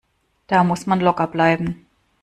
Da muss man locker bleiben.